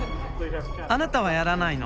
あなたはやらないの？